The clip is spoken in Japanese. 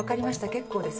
結構です。